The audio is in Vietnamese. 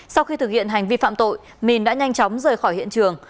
sau khi thực hiện hành vi phạm tội mình đã nhanh chóng rời khỏi hiện trường